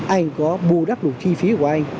anh có bù đắp đủ chi phí của anh